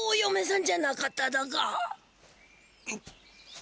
ん？